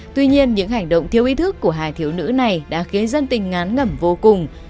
tuy nhiên những hành động thiếu ý thức của hai thiếu nữ này đã khiến dân tình ngán ngẩm vô cùng